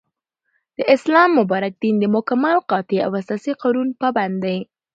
داسلام مبارك دين دمكمل ، قاطع او اساسي قانون پابند دى